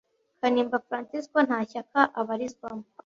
Kanimba François Nta shyaka abarizwamo